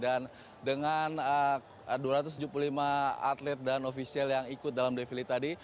dan dengan dua ratus tujuh puluh lima atlet dan ofisial yang ikut dalam defile tadi